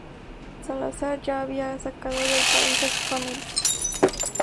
Salazar ya había sacado del país a su familia.